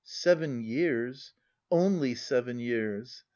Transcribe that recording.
Seven years, only seven years!